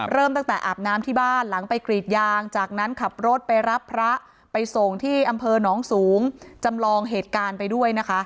เริ่มตั้งแต่อาบน้ำที่บ้านหลังไปกรีดยางจากนั้นขับรถไปรับพระไปส่งที่อำเภอหนองสูงจำลองเหตุการณ์ไปด้วยนะคะ